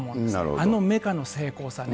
あのメカの精巧さね。